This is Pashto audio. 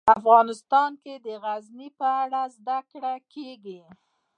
افغانستان کې د غزني په اړه زده کړه کېږي.